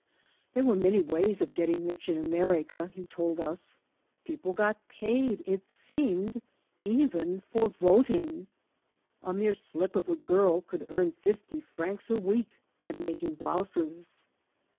There were many ways of getting rich in America, he told us. People got paid, it seemed, even for voting. A mere slip of a giri could earn fifty francs a week at making blouses.